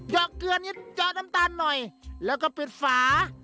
เยอะเกลือนยอดน้ำตันหน่อยแล้วก็ปิดฝา